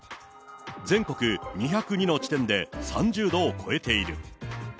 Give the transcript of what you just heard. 全国２０２の地点で３０度を超えている。